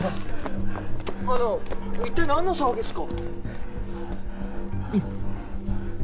あの一体なんの騒ぎっすか？